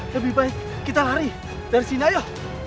lebih baik kita lari dari sini ayo